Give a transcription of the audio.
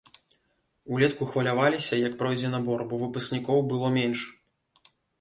Улетку хваляваліся, як пройдзе набор, бо выпускнікоў было менш.